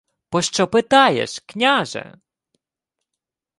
— Пощо питаєш, княже?